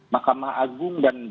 mahkamah agung dan